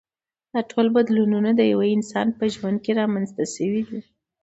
دا ټول بدلونونه د یوه انسان په ژوند کې رامنځته شوي دي.